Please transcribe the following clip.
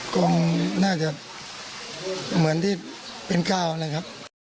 ก็น่าจะเหมือนที่เป็นก้าวนะครับ